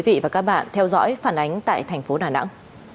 cảm ơn quý vị và các bạn theo dõi phản ánh tại thành phố đà nẵng